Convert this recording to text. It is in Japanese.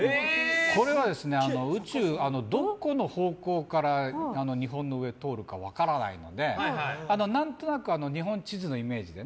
これはどこの方向から日本の上を通るか分からないので何となく日本地図のイメージで